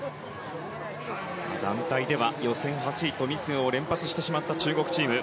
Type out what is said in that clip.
団体では予選８位とミスを連発してしまった中国チーム。